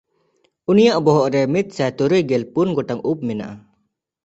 ᱤᱧᱟᱜ ᱵᱚᱦᱚᱜ ᱨᱮ ᱢᱤᱫᱥᱟᱭ ᱛᱩᱨᱩᱭᱜᱮᱞ ᱯᱩᱱ ᱜᱚᱴᱟᱝ ᱩᱵ ᱢᱮᱱᱟᱜᱼᱟ᱾